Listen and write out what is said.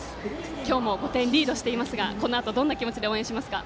今日も５点リードしていますがこのあと、どんな気持ちで応援しますか。